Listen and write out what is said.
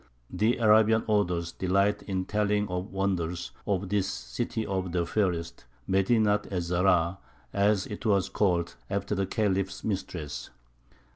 The Arabian authors delight in telling of the wonders of this "City of the Fairest," Medinat Ez Zahrā, as it was called, after the Khalif's mistress.